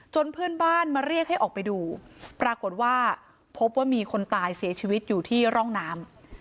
เพื่อนบ้านมาเรียกให้ออกไปดูปรากฏว่าพบว่ามีคนตายเสียชีวิตอยู่ที่ร่องน้ำ